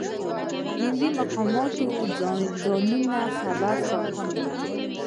هند مقاماتو ځانونه خبر ساتل.